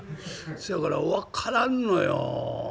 せやから分からんのよ」。